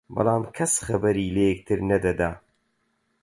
بەڵام کەس خەبەری لە یەکتر نەدەدا